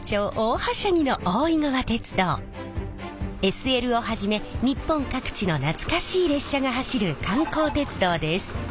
ＳＬをはじめ日本各地の懐かしい列車が走る観光鉄道です。